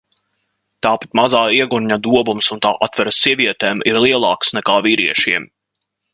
Tāpat mazā iegurņa dobums un tā atveres sievietēm ir lielākas nekā vīriešiem.